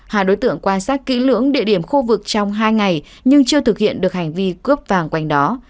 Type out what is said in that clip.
hai đối tượng quan sát kỹ lưỡng địa điểm khu vực trong hai ngày nhưng chưa thực hiện được hành vi cướp vàng quanh đó